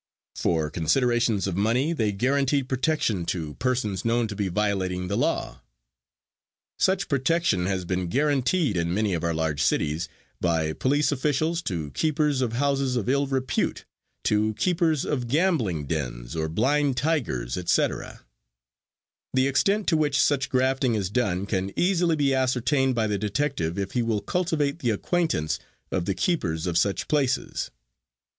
For considerations of money they guaranteed protection to persons known to be violating the law. Such protection has been guaranteed in many of our large cities by police officials to keepers of houses of ill repute, to keepers of gambling dens, or blind tigers, etc. The extent to which such grafting is done can easily be ascertained by the detective if he will cultivate the acquaintance of the keepers of such places.